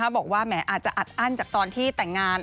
บอกว่าแหมอาจจะอัดอั้นจากตอนที่แต่งงาน